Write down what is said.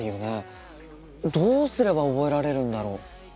どうすれば覚えられるんだろう？